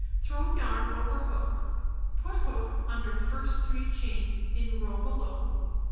Throw yarn over hook. Put hook under first 3 chains, in row below.